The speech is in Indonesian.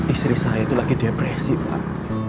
istri saya itu lagi depresi pak